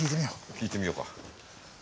聴いてみようか。